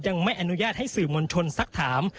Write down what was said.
ยังไม่อนุญาตให้สื่อมวลชนสักถาม